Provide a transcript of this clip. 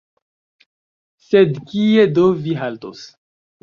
sed kie do vi haltos?